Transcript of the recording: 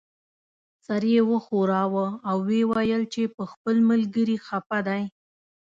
سر یې وښوراوه او یې وویل چې په خپل ملګري خپه دی.